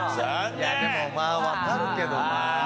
いやでもまあわかるけどな。